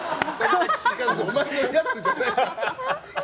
お前のやつじゃないから！